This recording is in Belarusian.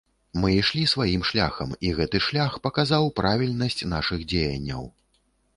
Мы ішлі сваім шляхам і гэты шлях паказаў правільнасць нашых дзеянняў.